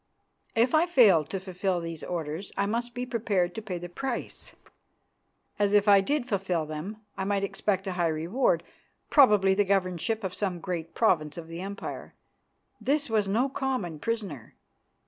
If I failed to fulfil those orders, I must be prepared to pay the price, as if I did fulfil them I might expect a high reward, probably the governorship of some great province of the Empire. This was no common prisoner.